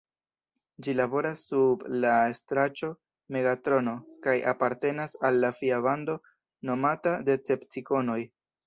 Ĝi laboras sub la estraĉo Megatrono kaj apartenas al la fia bando nomata Deceptikonoj.